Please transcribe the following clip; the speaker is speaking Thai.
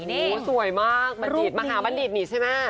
โอ้โฮสวยมากบันดีตมาหาบันดีตหนีดใช่ไหม